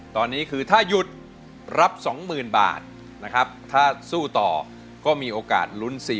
ตอนนี้คือถ้าหยุดรับ๒๐๐๐บาทนะครับถ้าสู้ต่อก็มีโอกาสลุ้น๔๐๐